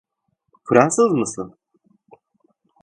Fransız mısın?